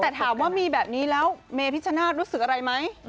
แต่ถามว่ามีแบบนี้แล้วเมพิชชนาธิ์รู้สึกอะไรไหม